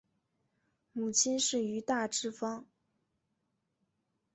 母亲是于大之方。